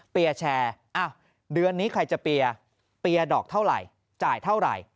แชร์เดือนนี้ใครจะเปียร์เปียร์ดอกเท่าไหร่จ่ายเท่าไหร่